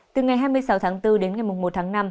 từ ngày hai mươi sáu tháng bốn đến ngày một tháng năm